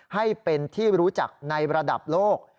ให้เป็นที่รู้จักในระดับโลก